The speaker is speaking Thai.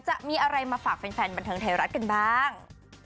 จะมีอะไรมาฝากแฟนบันเทิงไทยรัฐกันบ้าง